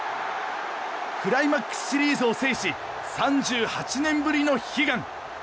クライマックスシリーズを制し３８年ぶりの悲願。